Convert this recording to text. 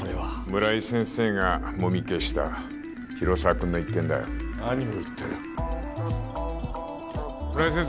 村井先生がもみ消した広沢君の一件だよ何を言ってる村井先生